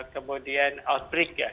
kemudian outbreak ya